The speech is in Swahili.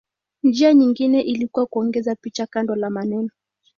Njia nyingine ilikuwa kuongeza picha kando la maneno.